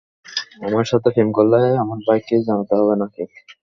আমার সাথে প্রেম করলে আমার ভাইকে জানাতে হবে নাকি?